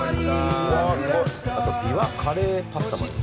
びわカレーパスタも。